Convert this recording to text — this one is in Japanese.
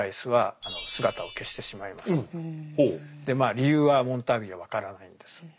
理由はモンターグには分からないんです。